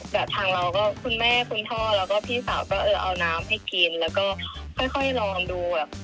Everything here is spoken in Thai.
แต่ทางเราก็คุณแม่คุณพ่อแล้วก็พี่สาวก็เออเอาน้ำให้กินแล้วก็ค่อยลองดูแบบ